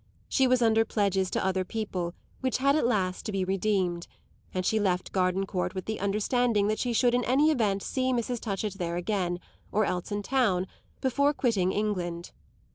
She was under pledges to other people which had at last to be redeemed, and she left Gardencourt with the understanding that she should in any event see Mrs. Touchett there again, or else in town, before quitting England.